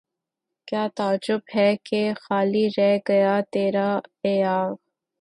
کیا تعجب ہے کہ خالی رہ گیا تیرا ایاغ